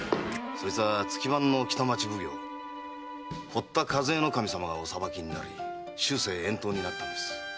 そいつは月番の北町奉行堀田主計頭様がお裁きになり終生遠島になったんです。